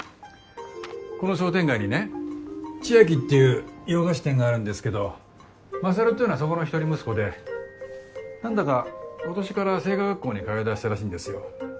この商店街にねちあきっていう洋菓子店があるんですけど勝っていうのはそこの一人息子で何だか今年から製菓学校に通いだしたらしいんですよ。